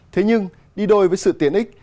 thế nhưng đi đôi với sự tiện ích